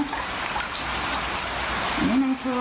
อันนี้ไม่ทั่วค่ะ